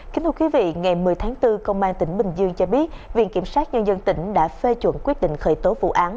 kính thưa quý vị ngày một mươi tháng bốn công an tỉnh bình dương cho biết viện kiểm sát nhân dân tỉnh đã phê chuẩn quyết định khởi tố vụ án